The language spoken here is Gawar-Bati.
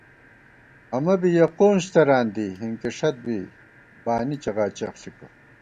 امہ بی یَہ قونج تران دی ہِنکِݭَت بی بانی چغاچغ ݪِکہ